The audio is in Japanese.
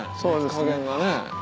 加減がね。